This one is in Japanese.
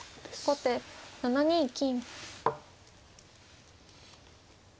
後手７二金。